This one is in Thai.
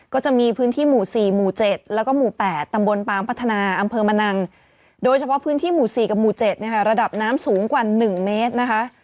ก็จะมีพื้นที่หมู่๔หมู่๗แล้วก็หมู่๘ตำบลปางพัฒนาอำเภอมะนังโดยเฉพาะพื้นที่หมู่๔กับหมู่๗ระดับน้ำสูงกว่า๑เมตรนะคะ